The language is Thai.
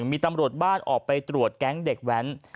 มีตำรวจบ้านออกไปตรวจแก๊งเด็กแว้น